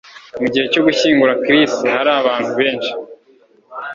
Mu gihe cyo gushyingura Chris hari abantu benshi